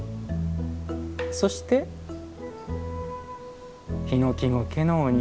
そして、ヒノキゴケのお庭。